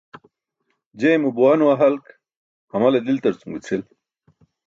Jeymo buwa nuhalk hamale deltar cum ke cʰil.